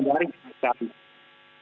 maka tidak bisa dikembangkan